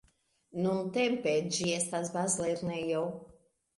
Nuntempe ĝi estas bazlernejo.